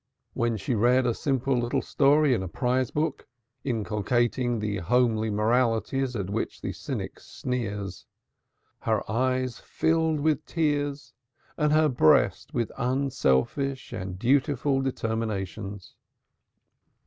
When she read a simple little story in a prize book, inculcating the homely moralities at which the cynic sneers, her eyes filled with tears and her breast with unselfish and dutiful determinations.